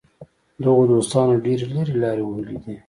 دغو دوستانو ډېرې لرې لارې وهلې دي.